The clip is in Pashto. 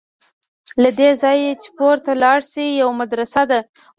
له دې ځایه چې پورته لاړ شې یوه مدرسه ده.